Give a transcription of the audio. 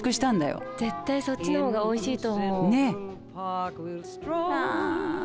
絶対そっちの方がおいしいと思う。